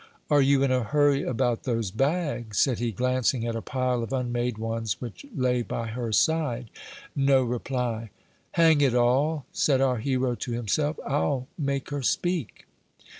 "Are you in a hurry about those bags?" said he, glancing at a pile of unmade ones which lay by her side. No reply. "Hang it all!" said our hero to himself, "I'll make her speak."